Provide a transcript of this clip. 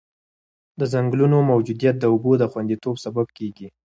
د ځنګلونو موجودیت د اوبو د خونديتوب سبب کېږي.